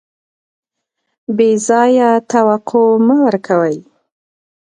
بې ځایه توقع مه ورکوئ.